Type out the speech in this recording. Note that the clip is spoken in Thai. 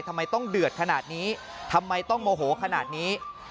ทำไมต้องเดือดขนาดนี้ทำไมต้องโมโหขนาดนี้